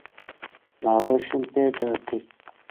باوەشم پێدا کرد.